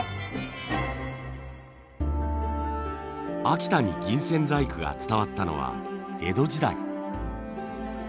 秋田に銀線細工が伝わったのは江戸時代。